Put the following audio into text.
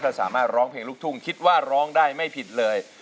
ถ้าสามารถร้องเพลงลูกทุ่งคิดว่าร้องได้ไม่ผิดเลย